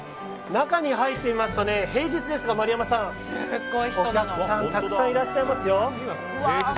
中に入ってみますと平日ですがお客さんがたくさんいらっしゃいますよ。